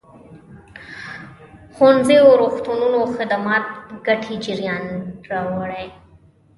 ښوونځيو روغتونونو خدمات ګټې جريان راوړي.